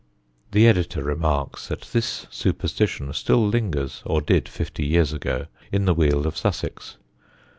The editor remarks that this superstition still lingers (or did fifty years ago) in the Weald of Sussex.